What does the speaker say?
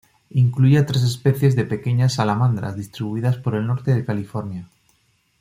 Incluye a tres especies de pequeñas salamandras distribuidas por el norte de California.